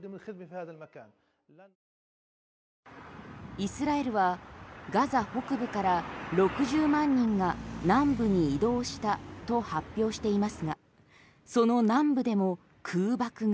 イスラエルはガザ北部から６０万人が南部に移動したと発表していますがその南部でも空爆が。